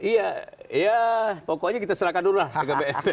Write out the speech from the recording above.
iya ya pokoknya kita serahkan dulu lah ke bnp